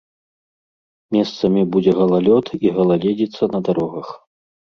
Месцамі будзе галалёд і галаледзіца на дарогах.